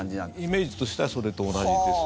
イメージとしてはそれと同じです。